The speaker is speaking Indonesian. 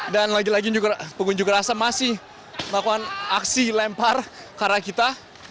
dan lagi lagi pengunjuk rasa masih melakukan aksi lempar karena kita